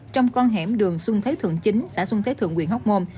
trong con hẻm đường xuân thế thượng chín xã xuân thế thượng huyện hóc môn